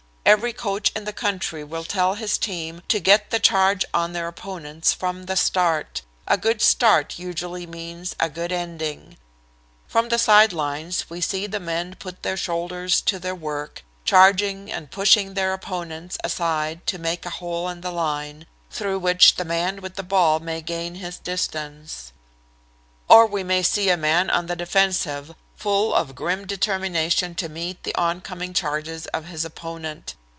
Every coach in the country will tell his team to get the charge on their opponents from the start. A good start usually means a good ending. From the side lines we see the men put their shoulders to their work, charging and pushing their opponents aside to make a hole in the line, through which the man with the ball may gain his distance; or we may see a man on the defensive, full of grim determination to meet the oncoming charges of his opponent.